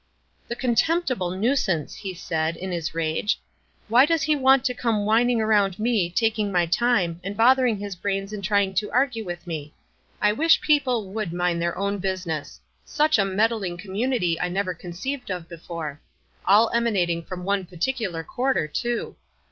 "The contemptible nuisance !" he said, in his rage, "why does he want to come whining around me, taking my time, and bothering his brains in trying to argue with me? I wish people would mind their own business. Such a meddling com munity I never conceived of before — all ema nating from one particular quarter, too.